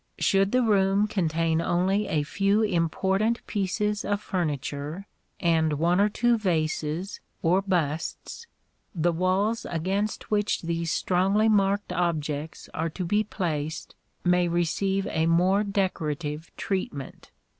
Should the room contain only a few important pieces of furniture, and one or two vases or busts, the walls against which these strongly marked objects are to be placed may receive a more decorative treatment.